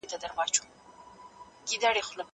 بهرنۍ تګلاره بې له ستراتیژۍ څخه نه بریالۍ کيږي.